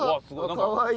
かわいい。